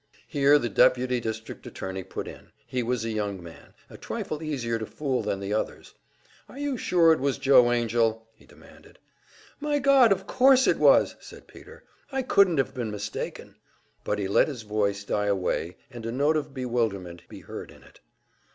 Here the deputy district attorney put in. He was a young man, a trifle easier to fool than the others. "Are you sure it was Joe Angell?" he demanded. "My God! Of course it was!" said Peter. "I couldn't have been mistaken." But he let his voice die away, and a note of bewilderment be heard in it.